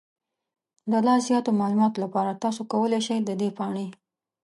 د لا زیاتو معلوماتو لپاره، تاسو کولی شئ د دې پاڼې